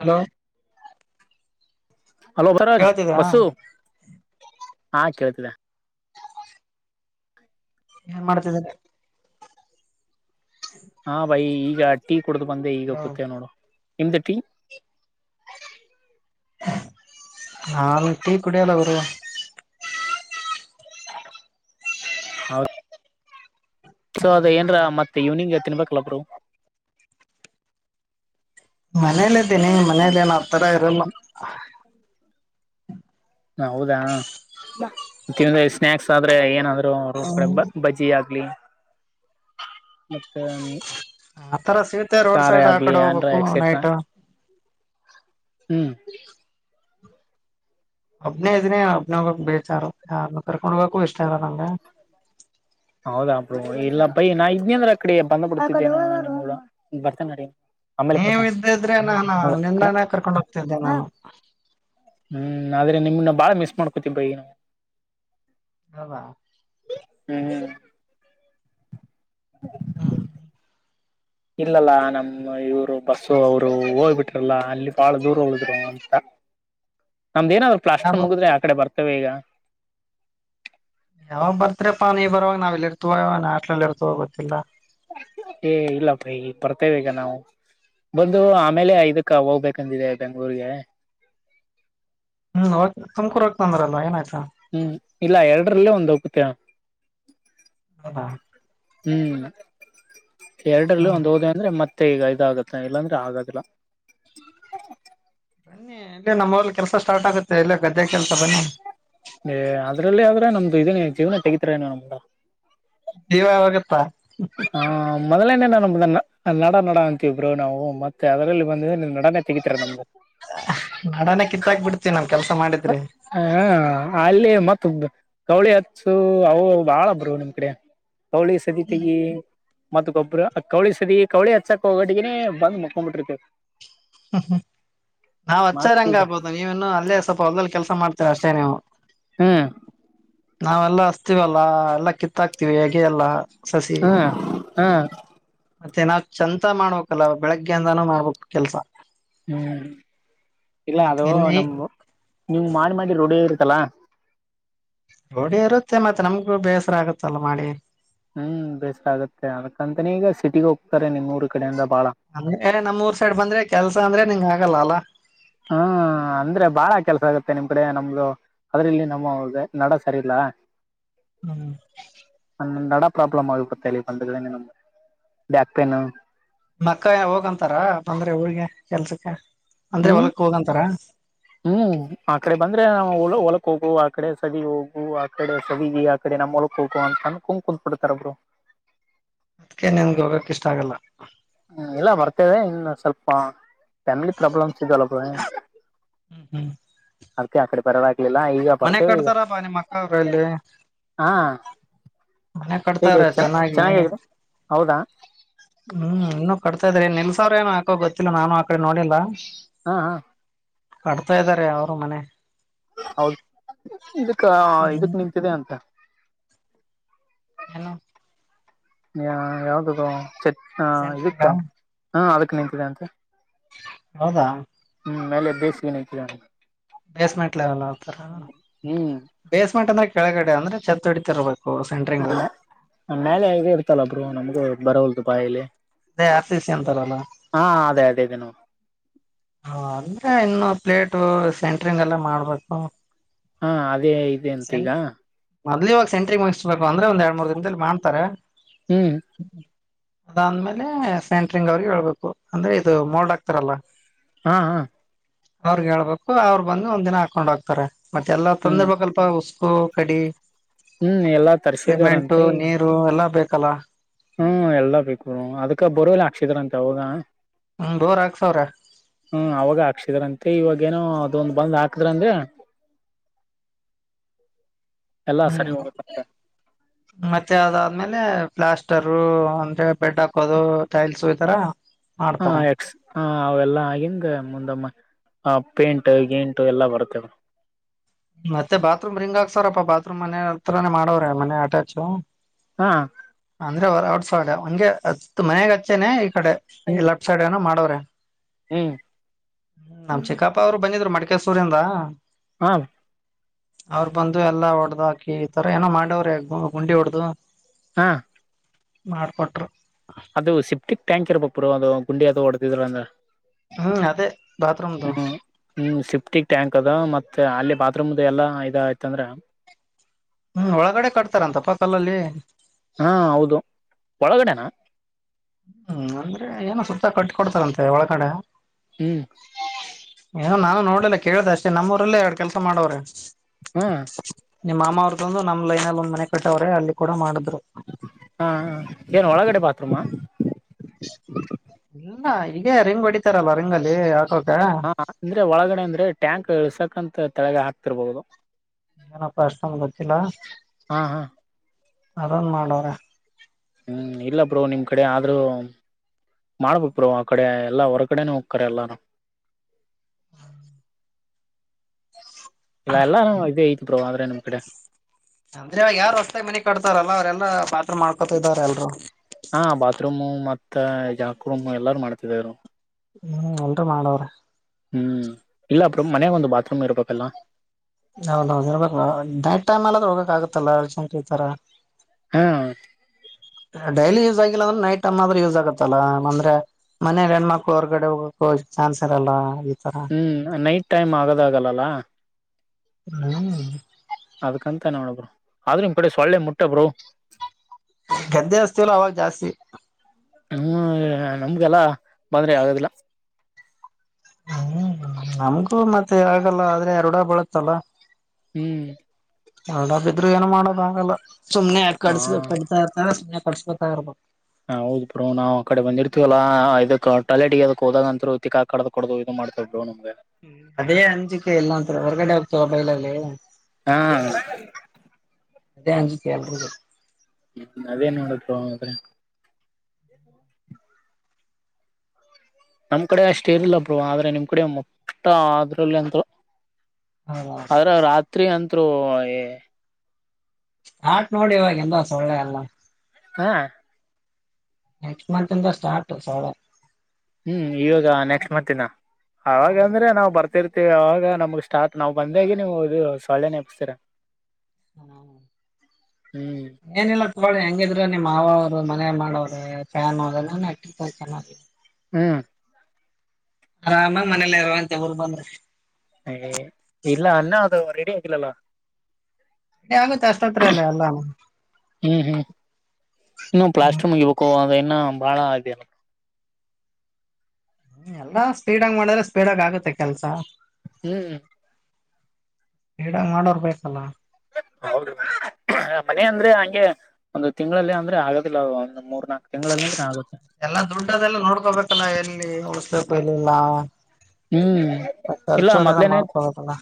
Hello hello ಭರಾಜ್ ಕೇಳ್ತಿದೀರಾ bus ಹಾ ಕೇಳ್ತಿದೆ. ಏನ್ ಮಾಡ್ತಿದ್ರಿ [inaudible] ಹಾ ಬೈ ಈಗ ಟೀ ಕುಡ್ದ್ ಬಂದೆ ಈಗ ಕೂತೇವ್ ನೋಡು ನಿಮ್ದ ಟೀ. ನಾನ್ ಟೀ ಕುಡಿಯಲ್ಲ ಬ್ರೋ ಹೌ ಸೊ ಅದ ಏನ್ರ ಮತ್ತೆ ಇವ್ನಿಂಗ್ ತಿನ್ಬೇಕಲ ಬ್ರೋ. ಮನೇಲಿದ್ದೀನಿ ಮನೇಲೇನ್ ಆ ತರ ಇರಲ್ಲ. ಹೌದಾ ತಿನ್ದೆ ಸ್ನಾಕ್ಸ್ ಆದ್ರೆ ಏನಾದ್ರು ರೋಡ್ ಕಡೆ ಬ ಬಜ್ ಜಿ ಆಗ್ಲಿ ಮತ್ತ ಆತರ ಸಿಗುತ್ತೆ ರೋಡ್ ಸೈಡ್ ಆ ಕಡೆ ಏನ್ರ ಹೋಗ್ಬೇಕು ಎಕ್ಸೆಟ್ರಾ ನೈಟ್. ಹ್ಮ್ ಒಬ್ನೇ ಇದೀನಿ ಒಬ್ನೇ ಹೋಗಕ್ ಬೇಜಾರು ರ್ಯಾನು ಕರ್ಕೊಂಡ್ ಹೋಗಕು ಇಷ್ಟ ಇಲ್ಲ ನಂಗೆ. ಹೌದಾ ಬ್ರೋ ಇಲ್ಲ ಬೈ ನಾ ಇದ್ನ್ಯಂದ್ರ ಅ ಕಡೆ ಬಂದ ಬಿಡ್ತಿದ್ದೇ ಬರ್ತೇನ ನಡಿ. ಆಮೇಲೆ ನೀವ್ ಬರ್ತೇನ್ ಇದ್ದಿದ್ರೆ ನಾನ್ ಹೌದ ಕರೆ ನಿನ್ನನೇ ಕರ್ಕೊಂಡ್ ಹೋಗ್ತಿದ್ದೆ ನಾನು. ಹ್ಮ್ ಆದ್ರೆ ನಿಮ್ನ ಬಾಳ ಮಿಸ್ ಮಾಡ್ಕೊತಿನ್ ಬಯ್ ಹೌದಾ ಹ್ಮ್ ಹ್ಮ್ ಹ್ಮ [unintelligible] ಇಲ್ಲಲ್ಲ ನಮ್ಮ್ ಇವ್ರು ಬಸ್ಸು ಅವ್ರು ಹೋಗ್ಬಿಟ್ರಲ್ಲ ಅಲ್ಲಿ ಬಾಳ ದೂರ ಹುಳಿದ್ರು [inaudible] ನಮ್ದ ಏನಾದ್ರರು ಯಾವ ಪ್ಲಾಸ್ಟ್ರರ್ ಮುಗಿದ್ರೆ ಆ ಕಡೆ ಬರ್ತೇವೆ ಈಗ. ಯಾವಾಗ ಬರ್ತ್ರಪ್ಪ ನೀ ಬರವಾಗ ನಾವ ಇಲ್ಲಿ ಇರ್ತವ ನಾ ಆಸ್ಟ್ಲಲ್ಲಿ ಇರ್ತವ ಗೊತ್ತಿಲ್ಲ. ಏ ಇಲ್ಲಪ್ಪ ಈ ಬರ್ತೇವೆ ಈಗ ನಾವು. ಬಂದು ಆಮೇಲೆ ಐದಕ್ಕೆ ಹೋಗ್ಬೇಕಂದಿದೆ ಬೆಂಗ್ಳೂರ್ಗೆ. ಹ್ಮ್ ವಕ್ ತುಮಕೂರಗ ತಂದ್ರಲ್ಲ ಏನಾಯ್ತು. ಹ್ಮ್ ಇಲ್ಲ ಎರಡರಲ್ಲೇ ಒಂದ್ ಹೋಗತ. ಹಾ ಹ್ಮ್ ಎರಡರಲ್ಲಿ ಹ್ಮ್ ಒಂದ್ ಹೋದ್ ಅಂದ್ರೆ ಮತ್ತೆ ಈಗ ಇದಾಗತ್ತ ಇಲ್ಲಾಂದ್ರೆ ಆಗದಿಲ್ಲ. ಬನ್ನಿ ಇಲ್ಲೇ ನಮ್ಮೂರಲ್ ಕೆಲಸ ಸ್ಟಾರ್ಟ್ ಆಗುತ್ತೆ ಇಲ್ಲೆ ಗದ್ದೆ ಕೆಲಸ ಬನ್ನಿ. ಏ ಅದ್ರಲ್ಲಿ ಆದ್ರ ನಮ್ದು ಇದೀನ ಜೀವನ ತಗಿತರ ನೀವ್ ನಮ್ದ. ಜೀವ ಹೋಗುತ್ತಾ. ಮೊದಲೇ ನಮ್ದ ನಡ ನಡ ಅಂತೀವ್ ಬ್ರು ನಾವು ಮತ್ತೆ ಅದರಲ್ಲಿ ಬಂದವೆಂದ್ರ ನಡಾನೆ ತೆಗಿತಿರೆ ನಮ್ದು. ನಾಡನ ಕಿತ್ತಾಕ್ ಬಿಡ್ತೀ ನಮ್ ಕೆಲ್ಸ ಮಾಡಿದ್ರೆ. ಹ ಅಲ್ಲಿ ಮತ್ತ ಬ ಕೌಳಿ ಹಚ್ಚು ಅವು ಬಾಳ ಬ್ರೊ ನಿಮ್ ಕಡೆ. ಕೌವಳಿ ಸದಿ ತೆಗಿ. ಮತ್ತ ಗೊಬ್ಬರ ಕೌಳಿ ಸದಿ ಕೌಳಿ ಹಚ್ಚಕ್ ಹೋಗಟ್ಟಗನೇ ಬಂದ ಮುಕೊಂಬ್ಬಟ್ಟಿರತೇವ. ಹ್ಮ ಹ್ಮ ನಾವ್ ಹಚ್ಚಾರ ಮತ್ ಹೆಂಗ ಈಗ ಆಗ್ಬೋದು ನೀವೇನ್ನು ಅಲ್ಲೇ ಸ್ವಲ್ಪ ಹೊಲ್ದಲ್ ಕೆಲ್ಸ ಮಾಡ್ತೀರ ಅಷ್ಟೇ ನೀವು. ಹ್ಮ ನಾವೆಲ್ಲಾ ಅಸ್ತೀವಲ್ಲಾ ಎಲ್ಲಾ ಕಿತ್ತಾಕ್ತಿವಿ ಹಗಿಯಲ್ಲ. ಹ್ಮ ಹಾ ಮತ್ತೆ ನಾವ್ ಚಂತನ ಮಾಡ್ಬೇಕಲ್ಲ ಬೆಳಗ್ಗೆಯಂದಾನೂ ಮಾಡ್ಬೇಕು ಕೆಲ್ಸ. ಹ್ಮ್ ಇಲ್ಲ ಮತ್ ಅದು ಎನ್ನಿ ನಮ್ದು ನೀವ್ ಮಾಡಿ ಮಾಡಿ ರೂಡೀ ಇರುತ್ತಲ್ಲಾ. ರೂಡಿ ಇರುತ್ತೆ ಮತ್ತ್ ನಮ್ಗೂ ಬೇಸರ ಆಗುತ್ತಲ್ಲ ಮಾಡಿ. ಹ್ಮ್ ಬೇಸ್ರ ಆಗತ್ತೆ ಅದಕಂತನೆ ಈಗ ಸಿಟಿಗ ಹೋಗ್ತಾರೆ ನಿಮ್ಮೂರು ಕಡೆಯಿಂದ ಬಾಳ. ಅಂದ್ರೆ ನಮ್ ಊರ್ ಸೈಡ್ ಬಂದ್ರೆ ಕೆಲ್ಸ ಅಂದ್ರೆ ನಿಂಗ್ ಆಗಲ್ಲ ಅಲ್ಲಾ. ಹ್ಮ್ ಅಂದ್ರೆ ಬಾಳ ಕೆಲ್ಸ ಆಗುತ್ತೆ ನಿಮ್ ಕಡೆ ನಮ್ದು. ಅದ್ರಲ್ಲಿ ನಮ್ಮವ್ರದೆ ನಡ ಸರಿ ಇಲ್ಲ. ಹ್ಮ ನಡ ಪ್ರಾಬ್ಲಮ್ ಆಗ್ಬಿಡುತ್ತೆ ಇಲ್ಲಿಗ್ ಬಂದಗಳೆನೆ ನಮಗ ಬ್ಯಾಕ್ ಪೇನ್. ಮಕ್ಕ ಹೋಗಂತಾರ ಬಂದ್ರೆ ಊರಿಗೆ ಕೆಲ್ಸಕ್ಕೆ ಅಂದ್ರೆ ಹ್ಮ್ ಹೊಲಕ್ ಹೋಗಂತಾರ. ಹ್ಮ್ ಆ ಕಡೆ ಬಂದ್ರೆ ನಾವು ಹೊಲಕ್ ಹೋಗು ಆ ಕಡೆ ಸದಿ ಹೋಗು ಆ ಕಡೆ ಸದಿ ಆ ಕಡೆ ನಮ್ಮೊಲಕ ಹೋಗು ಅಂತ [unintelligible] ಕೊಡ್ತಾರ ಬ್ರೊ. ಅದ್ಕೆ ನಿನ್ಗ್ ಹೋಗಕ್ ಇಷ್ಟ ಆಗಲ್ಲ. ಹ್ಮ್ ಇಲ್ಲ ಬರ್ತಿವೀ ಇನ್ನು ಸ್ವಲ್ಪ ಫ್ಯಾಮಿಲಿ ಪ್ರಾಬ್ಲಮ್ಸ್ ಇದಲ್ ಹ್ಮ್ ಹ್ಮ್ ಅದಕ್ಕೆ ಆ ಕಡೆ ಬರದಾಗಲಿಲ್ಲ ಈಗ ಮನೆ ಬರ್ತೇವೆ ಕಡ್ತಾರ ಪ ನಿಮ್ಮ ಅಕ್ಕ ಅವ್ರಲ್ಲಿ. ಹ್ಹಾಆ ಮನೆ ಕಟ್ತಾವ್ರೆ ಚೆನ್ನಾಗಿ [inaudible] ಚೆನ್ನಾಗಾಗಿದೆ ಹೌದಾ ಹ್ಮ್ ಇನ್ನೂ ಕಟ್ತಾಯಿದ್ರಿ ನಿಲ್ಸಾವ್ರ ಏನೊ ಹಾಕೋ ಗೊತ್ತಿಲ್ಲ ನಾನು ಆ ಕಡೆ ನೋಡಿಲ್ಲಾ ಹ ಹಾ. ಕಟ್ಟ್ತಾ ಇದಾರೆ ಅವರು ಮನೆ ಹೌದ್ [inaudible] ಇದಕ್ಕ ಹ್ಮ್ ಇದಕ್ ನಿಂತಿದೆ ಅಂತ ಹೆಣ್ಣು ಯಾ ಯಾವ್ದದು ಚಕ್ ಹ್ಞಾ ಸೆಂಟ್ರಿಗ ಇದಕ್ಕ ಹಾ ಅದಕ್ ನಿಂತಿದೆ ಅಂತ [inaudible] ಹೌದಾ ಹ್ಮ್ ಮೇಲೆ ಬೇಸಿಗೆನೆ [unintelligible] ಬೆಸ್ಮೆಂಟ್ ಲೆವೆಲ್ ಆತರ ಹ್ಮ್ [inaudible] ಬೇಸ್ಮೆಂಟ್ ಅಂದ್ರೆ ಕೆಳಗಡೆ ಅಂದ್ರೆ ಚತ್ತ್ ಹೊಡತಿರ್ಬೇಕು ಹೂಂ ಸೆಂಟ [unintelligible] ಮೇಲೆ ಇದು ಇರ್ತಲ್ಲ ಬ್ರೋ ನಮಗೂ ಬರವಲ್ದು ಬಾಯಲ್ಲಿ ಅದೇ ಆರ್ ಸಿ ಸಿ ಅಂತಾರಲ್ಲಾ ಹಾ ಅದೇ ಅದೇ ಅದೇ ನೋ ಹ ಅಂದ್ರೆ ಇನ್ನು ಪ್ಲೇಟೂ ಸೆಂಟ್ರಿಂಗ್ ಎಲ್ಲಾ ಮಾಡ್ಬೇಕು ಹಾ ಅದೇ ಇದೆ ಅಂತ ಈಗ ಮೊದ್ಲಿವಾಗ ಸೆಂಟ್ರಿಂಗ್ ಮುಗಿಸ್ಬೇಕು ಅಂದ್ರೆ ಒಂದ್ ಎರಡ್ ಮೂರ್ ದಿನಂದಲ್ಲಿ ಮಾಡ್ತಾರೆ [inaudible] ಹ್ಮ್ ಅದಾದ್ಮೇಲೆ ಸೆಂಟ್ರಿಂಗ್ ಅವ್ರಿಗೆ ಹೇಳ್ಬೇಕು ಅಂದ್ರೆ ಇದು ಮೋಲ್ಡ್ ಹಾಕ್ತಾರಲ್ಲಾ ಹಾ ಹಾ. ಅವ್ರಗ್ ಹೇಳ್ಬೇಕು ಅವ್ರು ಬಂದು ಒಂದ್ ದಿನ ಹಾಕೊಂಡ್ ಹೋಗ್ತಾರೆ ಮತ್ತೆ ಎಲ್ಲ ಹ್ಮ್ ತಂದಿರ್ಬೆಕಲ್ಲಾ ಪ್ಪ ಉಸ್ಕು ಕಡಿ ಹ್ಮ್ ಎಲ್ಲಾ [inaudible] ಸಿಮೆಂಟು ತರ್ಸಿದಾರಂತೆ ನೀರು ಎಲ್ಲಾ ಬೇಕಲ್ಲಾ ಹ್ಮ ಎಲ್ಲಾ ಬೇಕು ಬ್ರೋ ಅದಕ್ಕ ಬೊರವೆಲ್ಲ್ ಹಾಕ್ಸೀದಾರಂತೆ ಹೌದಾ ಹ್ಮ ಬೋರ್ ಹಾಕ್ಸವ್ರೆ ಹ್ಮ್ ಅವಾಗ ಹಾಕ್ಸಿದ್ರಂತೆ ಇವಾಗ ಏನೋ ಅದೊಂದ್ ಬಂದ್ ಹಾಕದ್ರ ಅಂದ್ರೆ [inaudible] ಎಲ್ಲಾ ಹ್ಮ್ ಸರಿ ಹೋಗುತ್ತಂತೆ. ಮತ್ತೆ ಅದಾದ್ಮೇಲೆ ಪ್ಲಾಸ್ಟರೂ ಅಂದ್ರೆ ಬೆಡ್ ಹಾಕೋದು ಟೈಲ್ಸು ಈ ತರಾ [inaudible] ಹು ಹ ಅವೆಲ್ಲಾ ಆಗಿಂದ ಮುಂದಮ್ಮ ಪೇಂಟ್ ಗೀಂಟು ಎಲ್ಲಾ ಬರುತ್ತೇವ ಮತ್ತೆ ಬಾತ್ರೂಮ್ ರಿಂಗ್ ಆಗ್ಸಾರಪ್ಪಾ ಬಾತ್ರೂಮ್ ಮನೆ ಹತ್ರಾನೆ ಮಾಡೋವ್ರ ಮನೆ ಅಟ್ಯಾಚು ಹಾ ಅಂದ್ರೆ ಹೊರಗ್ ಔಟ್ ಸೈಡ್ ಹಂಗೆ ಅತ್ತ್ ಮನೆಗೆ ಹಚ್ಚಿನೆ ಈ ಕಡೆ ಹ್ಮ್ ಲೆಫ್ಟ್ ಸೈಡ್ ಏನೋ ಮಾಡವ್ರೆ. ಹ್ಮ್ [inaudible] ನಮ್ ಚಿಕ್ಕಪ್ಪ ಅವ್ರು ಬಂದಿದ್ರು ಮಡಿಕೆಸೂರಿಂದಾ ಹಾ. ಅವ್ರು ಬಂದು ಎಲ್ಲಾ ಹೊಡ್ದ ಹಾಕಿ ಈ ತರಾ ಏನೋ ಮಾಡವ್ರ ಗು ಗುಂಡಿ ಹೊಡೆದು ಹ. ಮಾಡ್ಕೊಟ್ರು ಅದು ಸಿಪ್ಟಿಕ್ ಟ್ಯಾಂಕ್ ಇರ್ಬೆಕ್ ಬ್ರೋ ಅದು ಗುಂಡಿ ಅದು ಹೊಡದಿದ್ರ ಅಂದ ಹ್ಮ್ ಅದೇ ಬಾತ್ರೂಮ್ದೂ ಹ್ಮ ಸಿಫ್ಟಿಕ್ ಟ್ಯಾಂಕ್ ಅದ ಮತ್ತೆ ಅಲ್ಲಿ ಬಾತ್ರೂಮ್ದ ಎಲ್ಲ ಇದ ಆಯ್ತ ಅಂದ್ರೆ ಹ್ಮ್ ಒಳಗಡೆ ಕಟ್ತಾರಂತ ಪಾ ಕಲ್ಲಲ್ಲಿ ಹಾ ಹೌದು ಒಳಗಡೆನಾ ಹ್ಮ್ ಅಂದ್ರೆ ಏನೋ ಸುತ್ತ ಕಟ್ಟಿ ಕೊಡ್ತಾರಂತೆ ಒಳಗಡೆ ಹ್ಮ. ಏನೋ ನಾನು ನೋಡಲ್ಲ ಕೇಳ್ದ ಅಷ್ಟೇ ನಮ್ಮೂರೆಲ್ಲ ಎರಡು ಕೆಲ್ಸ ಮಾಡವ್ರೆ. ಹಾ ನಿಮ್ ಮಾಮ ಅವರದೊಂದು ನಮ್ ಲೈನ್ ಅಲ್ಲಿ ಒಂದ್ ಮನೆ ಕಟ್ಟವ್ರೆ ಅಲ್ಲಿ ಕೂಡ ಮಾಡಿದ್ರು. ಹಾ ಹ ಏನ್ ಒಳಗಡೆ ಬಾತ್ರೂಮಾ. ಇಲ್ಲ ಹಿಂಗೇ ರಿಂಗ್ ಹೊಡಿತಾರಲ್ಲ ರಿಂಗ್ ಅಲ್ಲಿ ಹಾಕೋಕೆ. ಹ ಅಂದ್ರೆ ಒಳಗಡೆ ಅಂದ್ರೆ ಟ್ಯಾಂಕ್ ಇಸಕಂತ ತಳಗ ಹಾಕ್ತಿರ್ಬಹುದು ಏನಪ್ಪ ಅಷ್ಟೊಂದು ಗೊತ್ತಿಲ್ಲ ಹಾ ಹಾ ಅದೊಂದು ಮಾಡವ್ರೆ. ಹ್ಮ್ ಇಲ್ಲ ಬ್ರೋ ನಿಮ್ ಕಡೆ ಆದ್ರೂ. ಮಾಡ್ಬೇಕ್ ಬ್ರೋ ಆ ಕಡೆ ಎಲ್ಲ ಹೋರಾಡಗೆ ಹೋಕರೇ ಎಲ್ಲಾರು. [unintelligible] ಇಲ್ಲ ಎಲ್ಲಾ ನೆ ಇದ ಐತ್ ಬ್ರೋ ಆದ್ರೆ ನಿಮ್ ಕಡೆ. ಅಂದ್ರೆ ಯಾರು ಹೊಸತ್ತಾಗಿ ಮನೆ ಕಟ್ತಾರಲ್ಲ ಅವರೆಲ್ಲಾ ಬಾತ್ರೂಮ್ ಮಾಡ್ಕೊತಿದಾರೆ ಎಲ್ರು. ಹಾ ಬಾತ್ರೂಮ್ ಮತ್ತ ಜಾಕ ರೂಮ್ ಎಲ್ಲಾರ ಮಾಡ್ತಿದರು. ಹ್ಮ್ ಎಲ್ರು ಮಾಡವ್ರೆ. ಹ್ಮ್ ಇಲ್ಲ ಬ್ರೋ ಮನೆಗೆ ಒಂದು ಬಾತ್ರೂಮ್ ಇರ್ಬೇಕಲ್ಲ. ಹೌದೌದು ಇರಬೇಕು ಡೇ ಟೈಮಲ್ಲಿ ಹೋಗಕ್ಕಾಗುತ್ತಲ್ಲ ಅರ್ಜೆಂಟ್ ಇತರ. ಹಾ ಡೈಲಿ ಯೂಸ್ ಆಗಿಲ್ಲ ಅಂದ್ ನೈಟ್ ಟಮ್ ಆದ್ರೂ ಯೂಸ್ ಆಗತ್ತಲ್ಲಾ ಅಂದ್ರೆ. ಮನೇಲಿ ಹೆಣ್ಮಕ್ಳು ಹೊರ್ಗಡೆ ಹೋಗಕ ಚಾನ್ಸ್ ಇರಲ್ಲ ಈ ತರ. ಹ್ಮ್ ನೈಟ್ ಟೈಮ್ ಆಗೋದಾಗಲ್ಲಲ್ಲಾ. ಹ್ಮ ಅದಕ್ಕಂತ ನೋಡಬ್ರು ಆದ್ರ ನಿಮ್ ಕಡೆ ಸೊಳ್ಳೆ ಮುಟ್ಟಬ್ರೋ. ಗದ್ದೆ ಅಸ್ತಿಲ್ಲ ಅವಾಗ ಜಾಸ್ತಿ. ಹ್ಮ್ ನಮ್ಗೆಲ್ಲಾ ಬಂದ್ರೆ ಆಗದಿಲ್ಲ. ಹ್ಮ್ ನಮಗೂ ಮತ್ತೆ ಆಗಲ್ಲ ಆದ್ರೆ ರೂಡ ಬಳತ್ತಲ್ಲ. ಹ್ಮ್ ರುಡ ಬಿದ್ರೆ ಏನು ಮಾಡೋದ ಆಗಲ್ಲ ಸುಮ್ಮನೆ [unintelligible] ಕಡಸ್ಲು ಹಾ ಕಡಿತಾ ಇರ್ತವೆ ಸುಮ್ಮನೆ ಕಡಿಸ್ಕೊಳ್ತಾ ಇರಬೇಕು. ಹ ಹೌದ್ ಬ್ರೋ ನಾವ್ ಆ ಕಡೆ ಬಂದಿರ್ತೀವಲ್ಲ ಅ ಇದಕ್ ಟಾಯ್ಲೆಟ್ ಗೆ ಅದಕ್ ಹೋದಾಗ ಅಂತೂ ತಿಕ. ಕಡ್ದು ಕಡ್ದು ಇದು ಮಾಡ್ತವ್ ಬ್ರೋ ನಮ್ಗೆ. ಅದೇ ಅಂಜಿಕೆ ಇಲ್ಲಾ ಅಂತ ಹೊರಗಡೆ ಹೋಗ್ತಾರ ಬೈಲಲ್ಲಿ. ಹಾ ಅದೇ [unintelligible] ಎಲ್ಲರಿಗೂ. ಹ ಅದೇನ್ ನೋಡಿದ್ ಆದ್ರೆ. [unintelligible] ನಮ್ ಕಡೆ ಅಷ್ಟು ಇರಲಿಲ್ಲ ಬ್ರು ಆದ್ರೆ ನಿಮ್ ಕಡೆ ಮೊತ್ತ ಅದ್ರಲ್ಲಿ ಅಂತರು. ಹೌದ ಆದರ ರಾತ್ರಿ ಅಂತ್ತ್ರು ಏ. ಆಟ್ ನೋಡಿ ಇವಾಗ ಎಂದ ಸೊಳ್ಳೆ ಅಲ್ಲ. ಹಾ ನೆಕ್ಸ್ಟ್ ಮಂತ್ ಇಂದ ಸ್ಟಾರ್ಟ್ ಸೊಳ್ಳೆ. ಹ್ಮ್ ಇವಾಗ ನೆಕ್ಸ್ಟ್ ಮಂತ್ ಇಂದ ಅವಾಗ ಹ್ಮ್ ಅಂದ್ರೆ ನಾವ್ ಬರ್ತಿರ್ತಿ. ಅವಾಗ ನಮ್ಗ್ ಸ್ಟಾರ್ಟ್ ನಾವ್ ಬಂದಾಗೆ ನೀವು ಇದು ಸೊಳ್ಳೆ ನೆಪಸ್ತೀರ. [unintelligible] ಹ್ಮ್ ಏನಿಲ್ಲ ತೊಗೊಳ್ಳಳಿ ಹೆಂಗಿದ್ರ ನಿಮ್ಮ್ ಮಾವ ಅವರು ಮನೆ ಮಾಡವ್ರೆ ಫ್ಯಾನ್ ಅವದೆಲ್ಲ [unintelligible] ಚೆನ್ನಾಗಿ. ಹ್ಮ್ ಆರಾಮಾಗಿ ಮನೇಲ್ಲ ಇರುವಂತಿ ಉರ ಬಂದ್ರೆ. ಏ ಇಲ್ಲ ಅನ್ನ ಅದು ರೆಡಿ ಆಗಿಲ್ಲಲ್. ಏ ಆಗುತ್ತ ಅಷ್ಟ ಹತ್ರಲೆ ಎಲ್ಲಾನು. ಹ್ಮ್ ಹ್ಮ್ ಇನ್ನು ಪ್ಲಾಸ್ಟರ್ ಮುಗಿಬೇಕು ಅದ ಇನ್ನ ಬಾಳ ಅದ ಏನೋ. ಹ್ಮ ಎಲ್ಲಾ ಸ್ಪೀಡ್ ಆಗಿ ಮಾಡಿದ್ರೆ ಸ್ಪೀಡ್ ಆಗಿ ಆಗುತ್ತೆ ಕೆಲ್ಸ. ಹ್ಮ್ ಸ್ಪೀಡಾಗ ಮಾಡೋರ್ ಬೇಕಲ್ಲ. ಹೌದು ಮನೆ ಅಂದ್ರೆ ಹಂಗೆ ಒಂದು ತಿಂಗಳಲ್ಲಿ ಅಂದ್ರೆ ಆಗೋದಿಲ್ಲ ಅದು ಒಂದ ಮೂರ್ನಾಕ್ ತಿಂಗಳಲ್ಲಿ ಅಂದ್ರೆ ಆಗುತ್ತ ಎಲ್ಲಾ ದುಡ್ಡದಲ್ಲ ನೋಡ್ಕೋಬೇಕಲ್ಲ ಎಲ್ಲಿ ಉಳಸ್ಬೇಕು ಎಲ್ಲಿಲ್ಲಾ ಹ್ಮ್ ಇಲ್ಲ ಮೊದ್ಲೇನೆ ಮಾಡ್ಕೋಬೇಕಲ್ಲ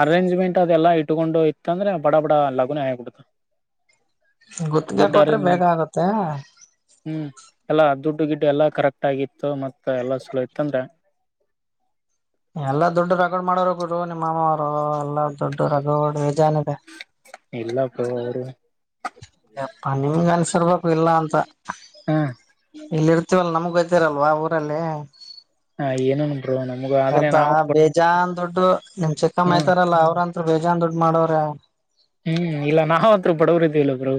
ಅರೇಂಜ್ಮೆಂಟ್ ಅದೆಲ್ಲ ಇಟ್ಕೊಂಡು ಇತ್ತ ಅಂದ್ರೆ ಬಡ ಬಡ ಲಗುನೆ ಆಗ್ಬಿಡ್ತದ. ಗುತ್ಗೆ ಕೊಟ್ರೆ ಬೇಗ ಆಗತ್ತೆ. ಹ್ಮ್ ಎಲ್ಲಾ ದುಡ್ಡು ಗಿಡ್ ಎಲ್ಲಾ ಕರೆಕ್ಟಾಗಿತ್ತು ಮತ್ತ ಎಲ್ಲಾ ಚೋಲೋ ಇತ್ತ ಅಂದ್ರೆ ಎಲ್ಲಾ ದುಡ್ಡು ರಗಡ ಮಾಡೋರ್ ಗುರು ನಿಮ್ಮ ಮಾಮವರು ಎಲ್ಲಾ ದುಡ್ಡು ರಗಡ ಬೇಜಾನಿದೆ. ಇಲ್ಲಪ್ಪ ಅವರು ಎಪ್ಪಾ ನಿಮ್ಗ ಅನ್ಸಿರ್ರ್ಬೇಕು ಇಲ್ಲ ಅಂತ. ಹಾ ಇಲ್ಲಿ ಇರ್ತೀವಲ್ಲ ನಮ್ಗ್ ಗೊತ್ತಿರಲ್ವಾ ಊರಲ್ಲಿ? ಹಾ ಏನೇನೋ [inaudible] [unintelligible] ಬೇಜಾನ್ ದುಡ್ಡು ನಿಮ್ ಚಿಕ್ಕಮ್ಮ ಹ್ಮ್ ಇದಾರಲ್ಲಾ ಅವ್ರಂತ್ರು ಬೇಜಾನ್ ದುಡ್ಡ ಮಾಡವ್ರೆ. ಹ್ಮ್ ಇಲ್ಲ ನಾವ ಅಂತ್ರು ಬಡುವ್ರಿದಿವಲ್ಲ ಬ್ರೊ.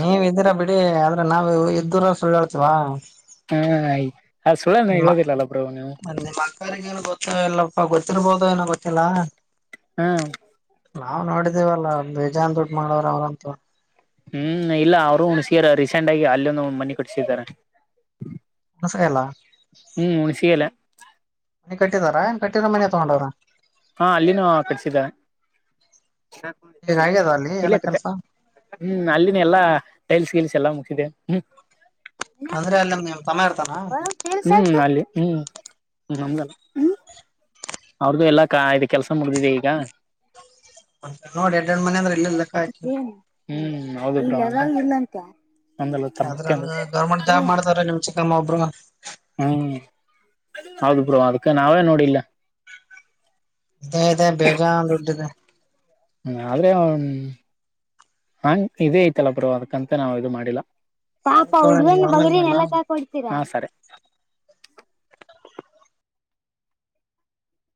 ನೀವ ಇದ್ದೀರಾ ಬಿಡಿ ಆದ್ರೆ ನಾವು ಇದ್ದುರ ಸುಳ್ ಹೇಳ್ತಿವಾ? ಹಾ ಆಯ್ತ್ ಹಾಯ ಸುಳ್ಳನು ಹೇಳದಿಲ್ಲಲ್ಲ ಬ್ರೊ ನೀವು. [unintelligible] ನಿಮ್ಮ ಕಾರಿಗೇನು ಗೊತ್ತ ಇಲ್ಲಪ್ಪ ಗೊತ್ತಿರ್ಬೋದು ಏನೋ ಗೊತ್ತಿಲ್ಲಾ ಹ್ಮ ನಾವು ನೋಡಿದೇವಲ್ಲಾ ಬೇಜಾನ್ ದುಡ್ಡ ಮಾಡೋರೆ ಅವ್ರಂತೂ. ಹ್ಮ್ ಇಲ್ಲ ಅವರು ಹುಣಸಗೆರೆವ್ರು ರೀಸೆಂಟಾಂಗಿ ಅಲ್ಲಿ ಒಂದು ಮನಿ ಕಟ್ಟಸಿದ್ದಾರೆ. ಹೊಸ ಎಲ್ಲ ಹ್ಮ್ ಹುಣಸಿಗೇರಿ. ಮನೀ ಕಟ್ಟಿದಾರಾ ಕಟ್ಟಿರ ಮನೆ ತಗೊಂಡಾರ್? ಹಾ ಅಲ್ಲಿನೂ ಕಟ್ಸದಾ. ಈಗ ಆಗ್ಯದ ಅಲ್ಲಿ ಎಲ್ಲಾ ಕೆಲ್ಸ [unintelligible] ಹ್ಮ್ ಅಲ್ಲಿನ ಎಲ್ಲಾ ಟೈಲ್ಸ್ ಗಿಲ್ಸ್ ಎಲ್ಲಾ ಮುಗಿಸಿದೆ ಹ್ಮ್ ಅಂದ್ರೆ ಅಲ್ಲಿಂದ ನಿಮ್ ತಮ್ಮಾ ಇರ್ತಾನ? ಹ್ಮ್ ಅಲ್ಲಿ ಹಂ ನಮ್ದಲ್ಲ ಅವ್ರದ್ದು ಎಲ್ಲಾ ಕ ಇ ಕೆಲ್ಸ ಮುಗದಿದೆ ಈಗ ಮತ್ತೆ ನೋಡಿ ಯಾಡ್ ಯಾಡ್ ಮನೆ ಅಂದ್ರೆ ಇಲ್ಲೇ ಲೆಕ್ಕಾ ಹಾಕಿ. ಹ್ಮ್ ಹೌದು ಬ್ರೋ [unintelligible] ತಮ್ಮ ಅದ್ರಲ್ ಅತ್ತೆಂದು ಗೌರ್ಮೆಂಟ್ ಜಾಬ್ ಮಾಡತವ್ರ ನಿಮ್ ಚಿಕ್ಕಮ್ಮ ಒಬ್ರು ಹ್ಮ್ ಹೌದು ಬ್ರೋ ಅದಕ್ಕೆ ನಾವೇ ನೋಡಿಲ್ಲ. ಇದೆ ಇದೇ ಬೇಜಾನ ದುಡ್ಡಿದೆ. ಹ್ಮ ಆದ್ರೆ ಹಂಗ ಇದೇ ಐತಲ್ಲ ಬ್ರೋ ಅದಕ್ಕಂತ ನಾವ ಇದು ಮಾಡಿಲ್ಲ. ಸರಿ ಪಾಪಾ ಆ ತೋಳ ನೀವ್ ಹುಡ್ಗನ್ ಆಮೇಲ್ ಬಗರಿನ್ ಮಾಡ್ಲಾ ಎಲ್ಲಾ ಕಾಯಕ ಕೊಡ್ತೀರಾ?